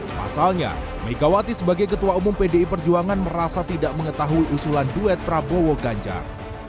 pasalnya megawati sebagai ketua umum pdi perjuangan merasa tidak mengetahui usulan duet prabowo ganjar